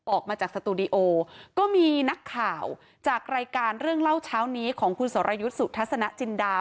ออกมาจากสตูดิโอก็มีนักข่าวจากรายการเรื่องเล่าเช้านี้ของคุณสรยุทธ์สุทัศนจินดา